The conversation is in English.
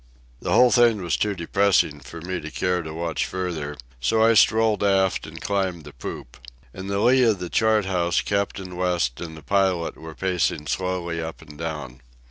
The whole thing was too depressing for me to care to watch further, so I strolled aft and climbed the poop. In the lee of the chart house Captain West and the pilot were pacing slowly up and down.